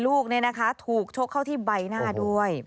มันเกิดเหตุเป็นเหตุที่บ้านกลัว